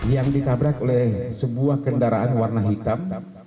yang ditabrak oleh sebuah kendaraan warna hitam